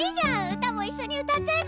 歌もいっしょに歌っちゃえば？